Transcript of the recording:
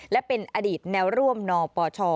และเป็นอดีตแนวร่วมนปช